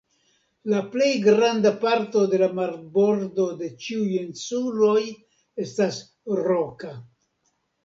La plej granda parto de la marbordo de ĉiuj insuloj estas roka.